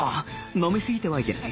飲みすぎてはいけない